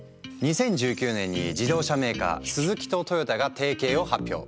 ２０１９年に自動車メーカースズキとトヨタが提携を発表。